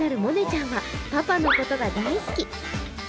ちゃんはパパのことが大好き。